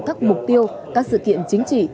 các mục tiêu các sự kiện chính trị